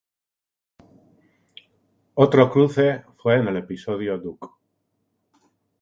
Otro cruce fue en el episodio "Duck!